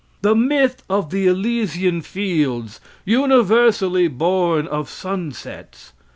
The myth of the Elysian fields universally born of sunsets.